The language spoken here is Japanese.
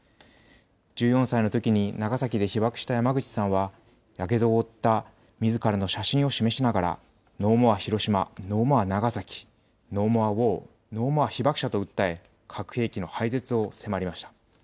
１４歳のときに長崎で被爆した山口さんはやけどを負ったみずからの写真を示しながらノーモアヒロシマ、ノーモアナガサキ、ノーモアウォー、ノーモアヒバクシャと訴え核兵器の廃絶を迫りました。